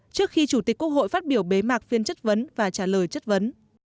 trước khi chủ tịch quốc hội phát biểu bế mạc phiên chất vấn và trả lời chất vấn